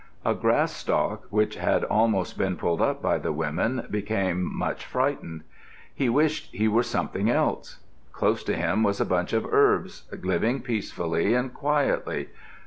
A grass stalk which had almost been pulled up by the women became much frightened. He wished he were something else. Close to him was a bunch of herbs, living peacefully and quietly.